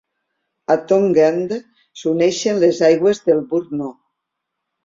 A Tongue End s'uneixen les aigües de Bourne Eau.